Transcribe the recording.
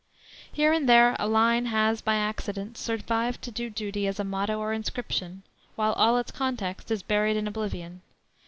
Here and there a line has, by accident, survived to do duty as a motto or inscription, while all its context is buried in oblivion.